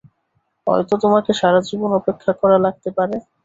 হয়তো তোমাকে সারা জীবন অপেক্ষা করা লাগতে পারে।